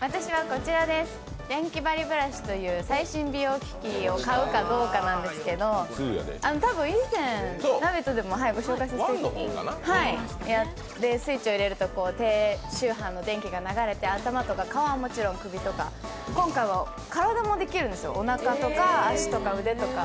私はこちらです、デンキバリブラシという最新美容機器を買うかどうかなんですけれども、多分、以前、「ラヴィット！」でもご紹介させていただいてスイッチを入れると低周波の電気が流れて頭とか顔はもちろん首とか今回は体もできるんですよ、おなかとか足とか腕とか。